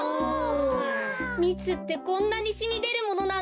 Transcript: みつってこんなにしみでるものなんですね。